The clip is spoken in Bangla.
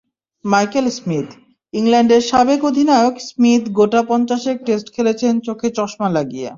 মাইকেল স্মিথইংল্যান্ডের সাবেক অধিনায়ক স্মিথ গোটা পঞ্চাশেক টেস্ট খেলেছেন চোখে চশমা লাগিয়ে।